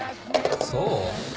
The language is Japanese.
そう？